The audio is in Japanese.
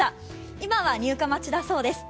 今は入荷待ちだそうです。